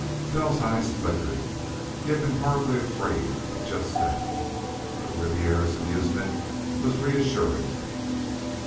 Bell's eyes flickered. He had been horribly afraid of just that. But Ribiera's amusement was reassuring.